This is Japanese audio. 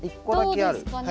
どうですかね？